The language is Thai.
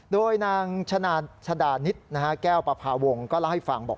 โดยนางชะดานิดแก้วประพาวงศ์ก็เล่าให้ฟังบอก